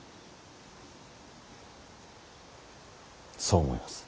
そう思います。